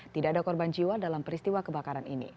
tidak ada korban jiwa dalam peristiwa kebakaran ini